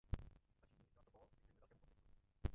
Stačí zmínit Sevastopol, kde čelíme velkému konfliktu.